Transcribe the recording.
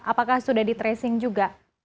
apakah sudah di tracing juga